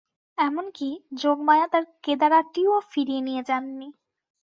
এমন-কি, যোগমায়া তাঁর কেদারাটিও ফিরিয়ে নিয়ে যান নি।